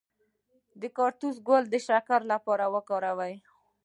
د کاکتوس ګل د شکر لپاره وکاروئ